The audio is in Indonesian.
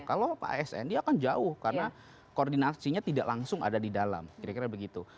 kalau pak asn dia akan jauh karena koordinasinya tidak langsung ada di dalam kira kira begitu